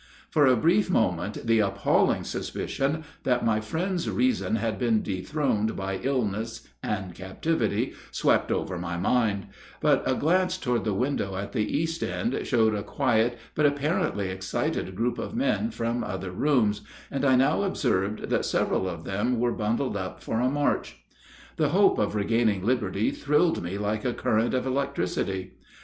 For a brief moment the appalling suspicion, that my friend's reason had been dethroned by illness and captivity swept over my mind; but a glance toward the window at the east end showed a quiet but apparently excited group of men from other rooms, and I now observed that several of them were bundled up for a march. The hope of regaining liberty thrilled me like a current of electricity.